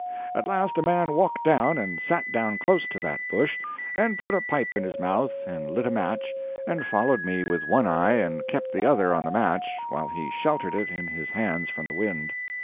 At last a man walked down and sat down close to that bush, and put a pipe in his mouth, and lit a match, and followed me with one eye and kept the other on the match, while he sheltered it in his hands from the wind.